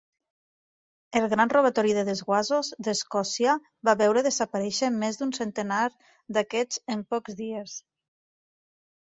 El "gran robatori de desguassos" d'Escòcia va veure desaparèixer més d'un centenar d'aquests en pocs dies.